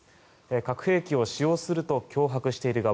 核兵器を使用すると脅迫している側